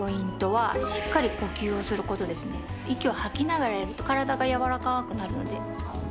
息を吐きながらやると体がやわらかくなるので。